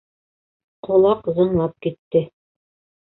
Ҡолаҡ зыңлап китте.